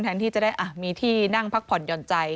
แทนที่จะได้ออกมีที่นั่งพักผ่อนยอดใจ